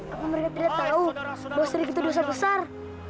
apa mereka tidak tahu bahwa serik itu dosa besar